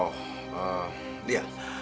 oh eh lia